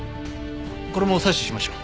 これも採取しましょう。